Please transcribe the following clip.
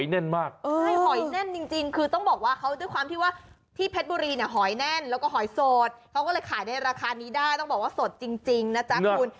แน่นมากหอยแน่นจริงคือต้องบอกว่าเขาด้วยความที่ว่าที่เพชรบุรีเนี่ยหอยแน่นแล้วก็หอยสดเขาก็เลยขายในราคานี้ได้ต้องบอกว่าสดจริงนะจ๊ะคุณ